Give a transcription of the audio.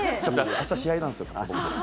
明日、試合なんですよね。